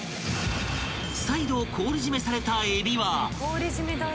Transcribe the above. ［再度氷締めされたえびは］